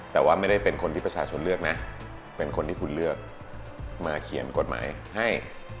แต่ว่าไม่ได้เป็นคนที่ประชาชนเลือกนะเป็นคนที่คุณเลือกมาเขียนกฎหมายให้